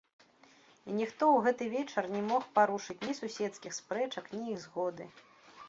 І ніхто ў гэты вечар не мог парушыць ні суседскіх спрэчак, ні іх згоды.